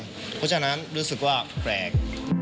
เพราะฉะนั้นรู้สึกว่าแปลก